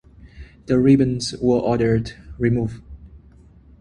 The ribbons were ordered removed.